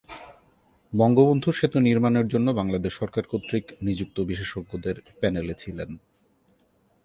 বঙ্গবন্ধু সেতু নির্মাণের জন্য বাংলাদেশ সরকার কর্তৃক নিযুক্ত বিশেষজ্ঞদের প্যানেলে ছিলেন।